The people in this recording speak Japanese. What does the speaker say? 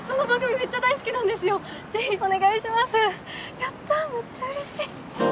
やっためっちゃうれしい。